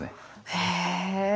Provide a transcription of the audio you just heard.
へえ。